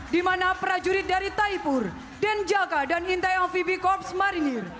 di mana prajurit dari taipur denjaka dan intai amfibi korps marinir